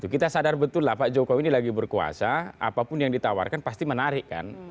kita sadar betul lah pak jokowi ini lagi berkuasa apapun yang ditawarkan pasti menarik kan